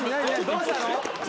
どうしたの？